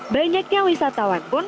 banyaknya wisata yang berada di sini